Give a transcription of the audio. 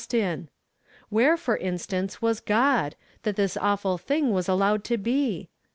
Iftf. in. Where, for instance, was God, that this awful thing was allowed to be?